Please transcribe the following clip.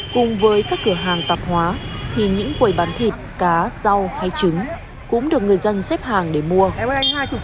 cùng với các cửa hàng tạp hóa thì những quầy bán thịt cá rau hay trứng cũng được người dân xếp hàng để mua